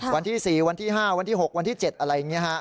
วันที่๔วันที่๕วันที่๖วันที่๗อะไรอย่างนี้ฮะ